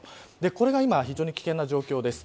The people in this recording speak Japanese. これが今非常に危険な状況です。